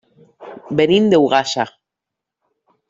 Venim d'Ogassa.